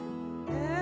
えっ？